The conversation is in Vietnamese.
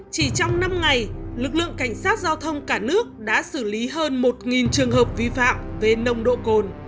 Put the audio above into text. chỉ trong năm ngày lực lượng cảnh sát giao thông cả nước đã xử lý hơn một trường hợp vi phạm về nồng độ cồn